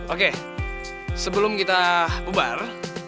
oke sebelum kita bebar